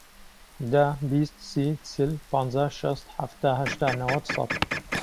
دە، بیست، سی، چل، پەنجا، شەست، حەفتا، هەشتا، نەوەت، سەد.